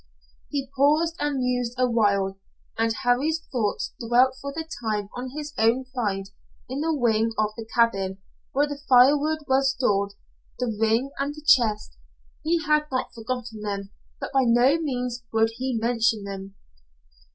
He paused and mused a while, and Harry's thoughts dwelt for the time on his own find in the wing of the cabin, where the firewood was stored. The ring and the chest he had not forgotten them, but by no means would he mention them.